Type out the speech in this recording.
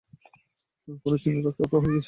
কোনো চিহ্ন না রেখেই উধাও হয়ে গেছে।